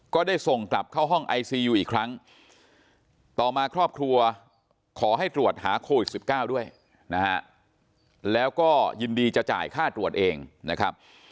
ก็ได้ส่งกลับเข้าห้องไอซียูอีกครั้งต่อมาครอบครัวขอให้ตรวจหาโควิด๑๙ด้วยนะฮะแล้วก็ยินดีจะจ่ายค่าตรวจเองนะครับ